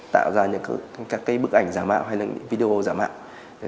tạo ra những cái bức ảnh giả mạo hay là những cái video giả mạo